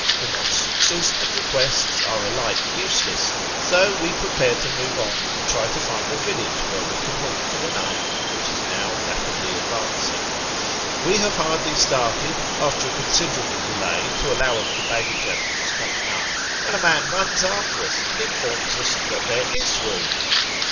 Eemonstrances and requests are alike useless, so we prepare to move on and try to find a village where we can halt for the night, which is now rapidly advancing. We have hardly started, after a con siderable delay to allow of the baggage animals coming up, when a man runs after us and informs us that there is room.